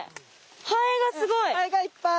ハエがいっぱい。